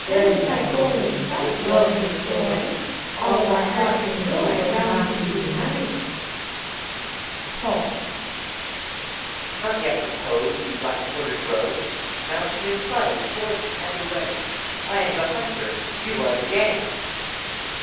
Then is thy goal in sight, Loveliest Boy! All of our hearts in joy Round thee unite. Pause. EUPHOBIOK. Not yet repose, Ye light footed roes! Now to new play Forth, and away! I am the hunter. You are the game.